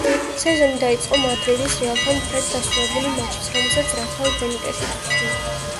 სეზონი დაიწყო მადრიდის „რეალთან“ ფრედ დასრულებული მატჩით, რომელსაც რაფაელ ბენიტესი წვრთნიდა.